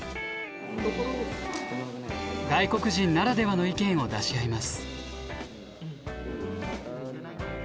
外国人ならではの意見を出し合います。